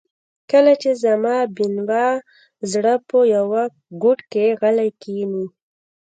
کله چې زما بېنوا زړه په یوه ګوټ کې غلی کښیني.